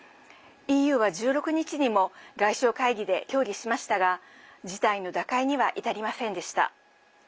ＥＵは１６日にも外相会議で協議しましたが事態の打開には至りませんでした。